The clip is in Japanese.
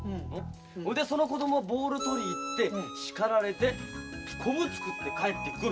でその子どもがボール取り行って叱られてコブ作って帰ってくる。